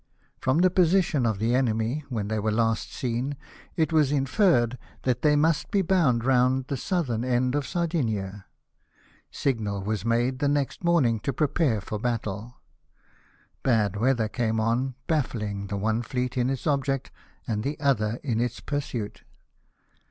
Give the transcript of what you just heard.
From the position of the enemy when they were last seen, it was inferred that they must be bound round the southern end of Sardinia. Signal was made the next morning to prepare for battle. Bad weather came on, baffling the one fleet in its object and the other in its pursuit.